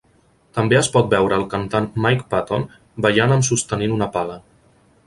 També es pot veure el cantant Mike Patton ballant amb sostenint una pala.